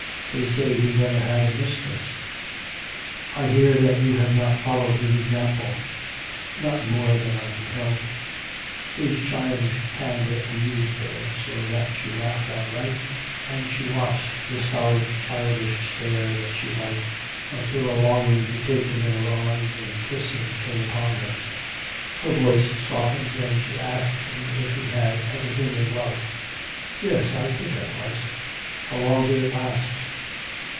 They say he never had a mistress.' 'I hear that you have not followed his example.' 'Not more than I could help.' His childish candour amused her so that she laughed outright, and she watched the stolid childish stare that she liked, until a longing to take him in her arms and kiss him came upon her. Her voice softened, and she asked him if he had ever been in love? 'Yes, I think I was.' 'How long did it last?'